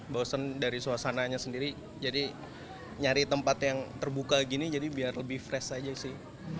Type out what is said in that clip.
bosen dari suasananya sendiri jadi nyari tempat yang terbuka gini jadi biar lebih fresh aja sih